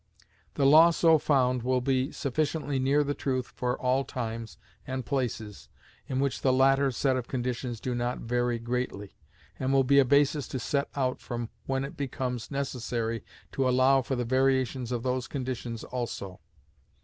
The law so found will be sufficiently near the truth for all times and places in which the latter set of conditions do not vary greatly, and will be a basis to set out from when it becomes necessary to allow for the variations of those conditions also.